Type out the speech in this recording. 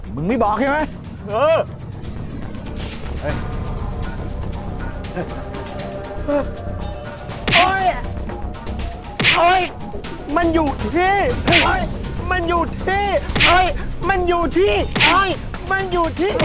มึงไม่บอกใช่ไหม